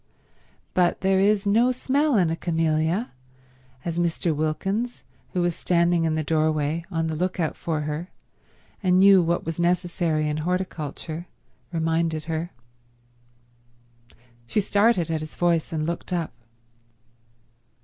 But there is no smell in a camellia, as Mr. Wilkins, who was standing in the doorway on the look out for her and knew what was necessary in horticulture, reminded her. She started at his voice and looked up.